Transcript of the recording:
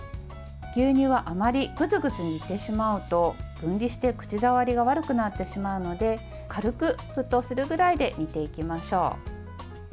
牛乳はあまりグツグツ煮てしまうと分離して口触りが悪くなってしまうので軽く沸騰するくらいで煮ていきましょう。